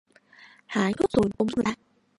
Hái thuốc rồi nhặt bông giúp người ta